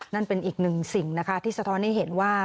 นั่นเป็นอีกหนึ่งสิ่งนะคะที่สะท้อนให้เห็นว่า